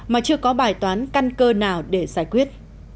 mà chưa có bài toán căn cơ nào để giải quyết